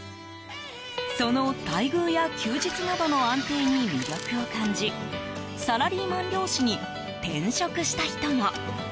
その待遇や休日などの安定に魅力を感じサラリーマン漁師に転職した人も。